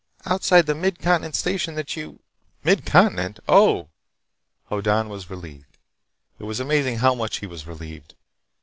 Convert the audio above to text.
"Outside the Mid Continent station that you—" "Mid Continent? Oh!" Hoddan was relieved. It was amazing how much he was relieved.